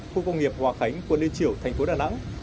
khu công nghiệp hòa khánh quân liên triểu thành phố đà nẵng